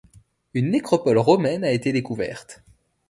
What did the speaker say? Une nécropole romaine a été découverte.